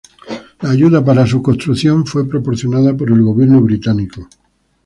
La ayuda para su construcción fue proporcionada por el Gobierno británico.